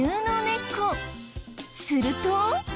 すると。